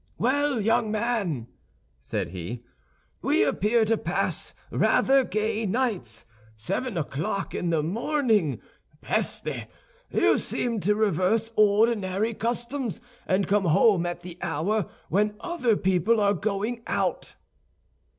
"Well, young man," said he, "we appear to pass rather gay nights! Seven o'clock in the morning! Peste! You seem to reverse ordinary customs, and come home at the hour when other people are going out."